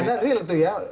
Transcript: ada real tuh ya